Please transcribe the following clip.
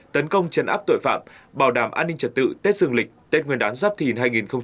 tấn công chấn áp tội phạm bảo đảm an ninh trật tự tết dương lịch tết nguyên đán giáp thìn hai nghìn hai mươi bốn